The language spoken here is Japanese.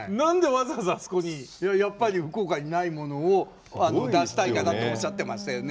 いややっぱり福岡にないものを出したいからっておっしゃってましたよね。